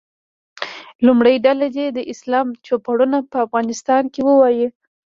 لومړۍ ډله دې د اسلام چوپړونه په افغانستان کې ووایي.